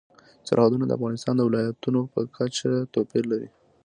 سرحدونه د افغانستان د ولایاتو په کچه توپیر لري.